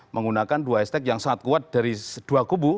menggunakan dua hashtag yang sangat kuat dari dua kubu